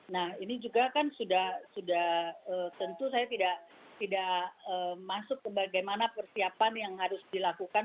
nah ini juga kan sudah tentu saya tidak masuk ke bagaimana persiapan yang harus dilakukan